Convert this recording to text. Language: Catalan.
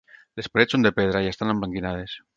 Les parets són de pedra i estan emblanquinades.